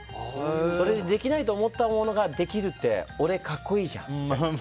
できないと思ったものができるって俺、格好いいじゃんって。